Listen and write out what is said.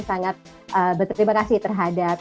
sangat berterima kasih terhadap